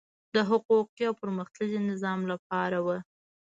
د حقوقي او پرمختللي نظام لپاره وو.